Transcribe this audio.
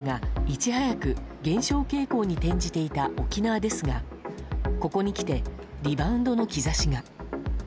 感染者数が、いち早く減少傾向に転じていた沖縄ですがここにきてリバウンドの兆しが。